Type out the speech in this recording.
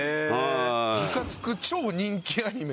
「ムカつく超人気アニメ」。